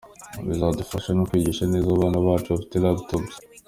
Bizadufasha no kwigisha neza abana bacu bafite laptops.